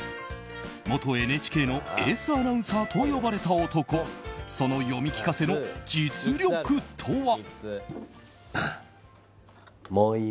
元ＮＨＫのエースアナウンサーと呼ばれた男その読み聞かせの実力とは？